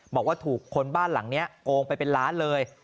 บอกว่าถูกคนบ้านหลังนี้โกงไปเป็นล้านเลย